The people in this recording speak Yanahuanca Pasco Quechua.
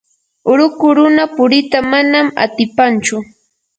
ruku runa purita manam atipanchu.